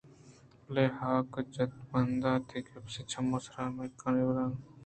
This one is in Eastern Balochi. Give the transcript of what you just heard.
بلے حاک جت ءُ بد بہتیں کپیس چمود ءَ سر ءُ مِکّائی وَرَان کوہ ءِ زِہیں تلارانی سرا کپتءُتُش تُش بُوت ءُ مُرت